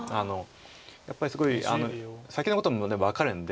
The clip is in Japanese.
やっぱりすごい先のことも分かるんで。